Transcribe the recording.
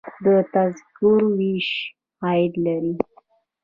د تذکرو ویش عاید لري